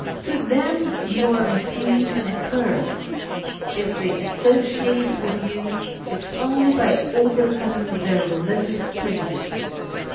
To them you are unclean and accursed : if they associate with you it is only by overcominfij their religious prejudices.